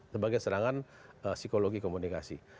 sebagai serangan psikologi komunikasi